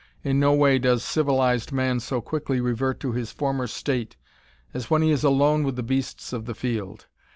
In no way does civilized man so quickly revert to his former state as when he is alone with the beasts of the field.